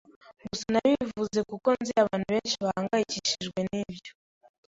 Gusa nabivuze kuko nzi abantu benshi bahangayikishijwe nibyo.